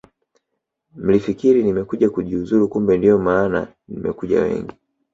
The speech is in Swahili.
Mlifikiri nimekuja kujiuzulu kumbe ndiyo maana mmekuja wengi